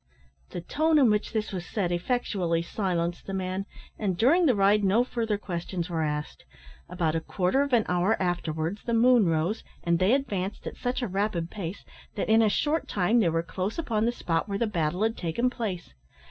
The tone in which this was said effectually silenced the man, and during the ride no further questions were asked. About a quarter of an hour afterwards the moon rose, and they advanced at such a rapid pace that in a short time they were close upon the spot where the battle had taken place.